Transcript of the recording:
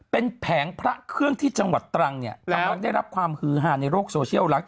เป็นแผงพระเครื่องที่จังหวัดตรังได้รับความคือหาในโลกโซเชียลหลักฯ